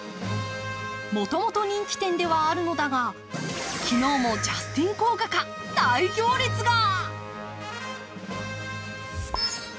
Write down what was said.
もともと人気店ではあるのだが、昨日もジャスティン効果か、大行列が。